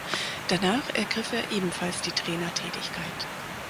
Danach ergriff er ebenfalls die Trainertätigkeit.